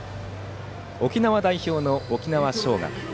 沖縄代表の沖縄尚学。